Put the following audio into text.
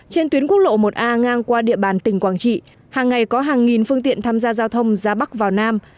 trên tuyến quốc lộ một a ngang qua địa bàn tỉnh quảng trị hàng ngày có hàng nghìn phương tiện tham gia giao thông ra bắc vào nam